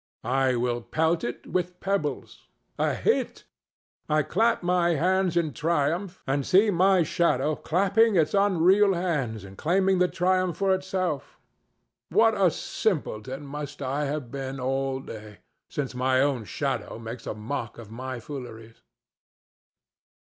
I will pelt it with pebbles. A hit! a hit! I clap my hands in triumph, and see my shadow clapping its unreal hands and claiming the triumph for itself. What a simpleton must I have been all day, since my own shadow makes a mock of my fooleries!